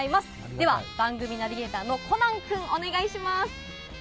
では、番組ナビゲーターのコナン君、お願いします。